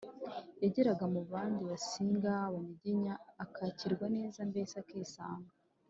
yageraga mu bandi basinga, abanyiginya akakirwa neza, mbese akisanga.